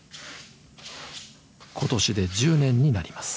今年で１０年になります。